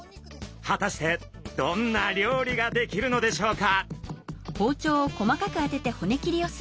果たしてどんな料理が出来るのでしょうか？